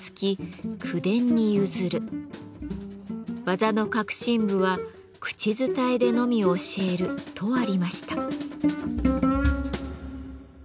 「技の核心部は口伝えでのみ教える」とありました。